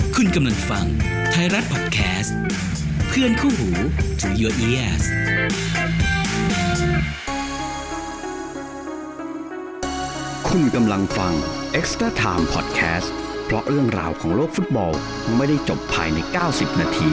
คุณกำลังฟังไทยรัฐพอดแคสต์เพื่อนคู่หูที่คุณกำลังฟังพอดแคสต์เพราะเรื่องราวของโลกฟุตบอลไม่ได้จบภายใน๙๐นาที